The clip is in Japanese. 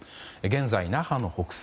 現在那覇の北西